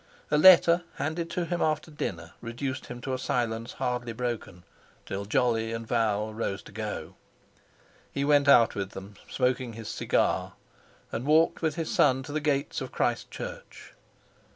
A letter, handed to him after dinner, reduced him to a silence hardly broken till Jolly and Val rose to go. He went out with them, smoking his cigar, and walked with his son to the gates of Christ Church.